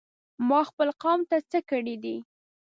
ما خپل قوم ته څه کړي دي؟!